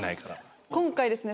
今回ですね